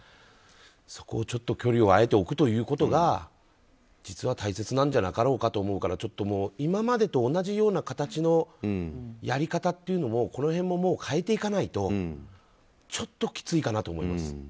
そこを距離をあえて置くということが実は大切なんじゃなかろうかと思うからちょっと、今までと同じような形のやり方というのもこの辺も変えていかないとちょっときついかなと思います。